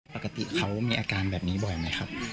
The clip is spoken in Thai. ปกติเขามีอาการแบบนี้บ่อยไหมครับ